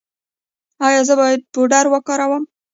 ایا زه باید پوډر وکاروم؟